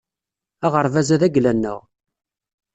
Aɣerbaz-a d agla-nneɣ